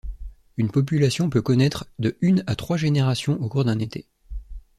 Une population peut connaître de une à trois générations au cours d'un été.